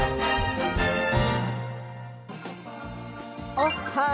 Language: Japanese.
おっはー！